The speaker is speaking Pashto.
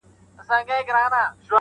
له ما سره یې په دې جنګ دی